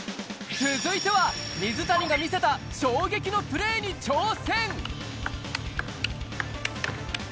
続いては水谷が見せた衝撃のプレーに挑戦。